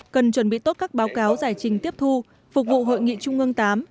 cần chuẩn bị tốt các báo cáo giải trình tiếp thu phục vụ hội nghị trung ương viii